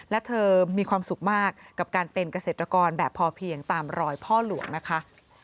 และเธอมีความสุขมากกับการเป็นเกษตรกรแบบพอเพียงตามรอยพ่อหลวงนะคะ